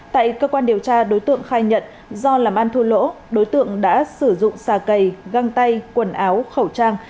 tại cơ quan điều tra đối tượng khai nhận do làm ăn thua lỗ đối tượng đã sử dụng xà cầy găng tay quần áo khẩu trang